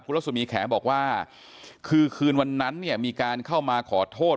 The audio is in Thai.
คุณลักษมีศ์แขบอกว่าคือคืนวันนั้นมีการเข้ามาขอโทษ